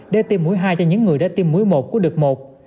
để tiêm mũi hai cho những người đã tiêm mũi một của đợt một